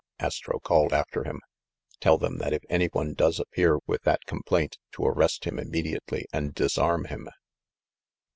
Astro called after him, "Tell them that if any one does appear with that complaint, to arrest him imme diately and disarm him."